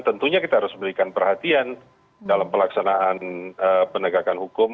tentunya kita harus memberikan perhatian dalam pelaksanaan penegakan hukum